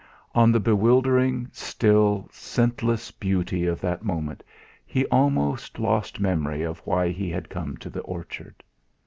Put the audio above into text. In the bewildering, still, scentless beauty of that moment he almost lost memory of why he had come to the orchard.